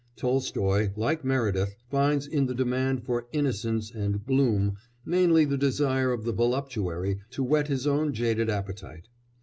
Tolstoy, like Meredith, finds in the demand for "innocence" and "bloom" mainly the desire of the voluptuary to whet his own jaded appetite.